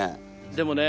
でもね